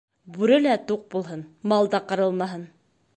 Бүре лә туҡ булһын, мал да ҡырылмаһын.